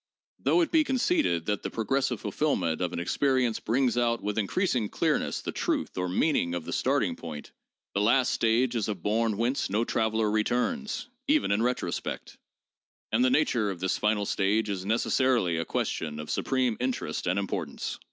Though it be con ceded that the progressive fulfillment of an experience brings out with increasing clearness the truth or meaning of the starting point, the last stage is a bourne whence no traveler, returns, even in retro spect. And the nature of this final stage is necessarily a question of supreme interest and importance.